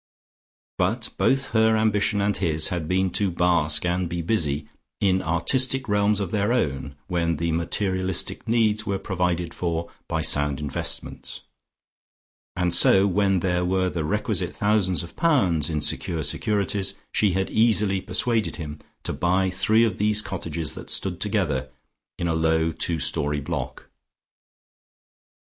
But both her ambition and his had been to bask and be busy in artistic realms of their own when the materialistic needs were provided for by sound investments, and so when there were the requisite thousands of pounds in secure securities she had easily persuaded him to buy three of these cottages that stood together in a low two storied block.